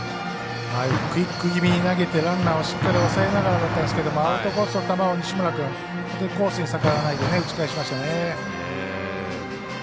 クイック気味に投げてランナーをしっかり抑えながらだったんですけどアウトコースの球を西村君、コースに逆らわないで打ち返しましたね。